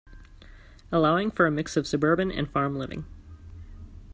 Allowing for a mix of suburban and farm living.